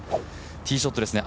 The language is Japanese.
ティーショットですね